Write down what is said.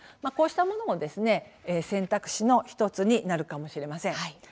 こうしたものも、選択肢の１つになるかもしれません。